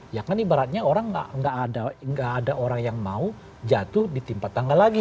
ya kan ibaratnya orang nggak ada orang yang mau jatuh di tempat tangga lagi